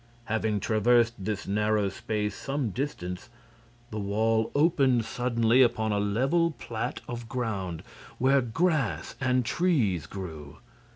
Having traversed this narrow space some distance the wall opened suddenly upon a level plat of ground, where grass and trees grew.